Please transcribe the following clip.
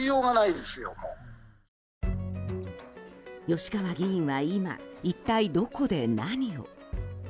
吉川議員は今、一体どこで何を。